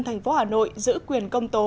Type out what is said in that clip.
thành phố hà nội giữ quyền công tố